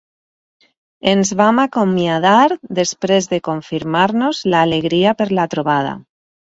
Ens vam acomiadar, després de confirmar-nos l'alegria per la trobada.